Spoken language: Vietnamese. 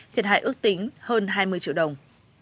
thiệt hại ước tính hơn hai mươi triệu đồng